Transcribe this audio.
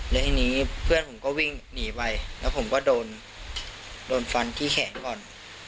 แล้วทีนี้เพื่อนผมก็วิ่งหนีไปแล้วผมก็โดนโดนฟันที่แขนก่อน